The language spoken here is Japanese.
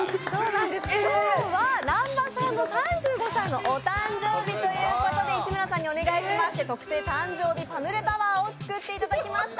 今日は南波さんの３５歳のお誕生日ということで市村さんにお願いしまして特製誕生日パヌレタワーを作っていただきました。